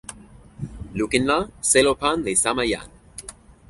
lukin la, selo pan li sama jan.